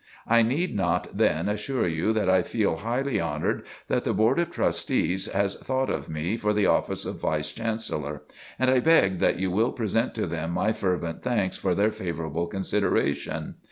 I need not, then, assure you that I feel highly honored that its Board of Trustees has thought of me for the office of Vice Chancellor, and I beg that you will present to them my fervent thanks for their favorable consideration.